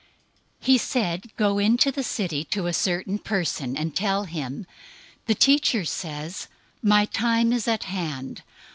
026:018 He said, "Go into the city to a certain person, and tell him, 'The Teacher says, "My time is at hand.